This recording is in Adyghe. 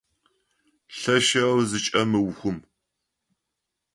Лъэшэу зычӏэмыухъум!